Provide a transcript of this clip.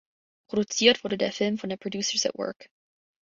Produziert wurde der Film von der Producers at Work.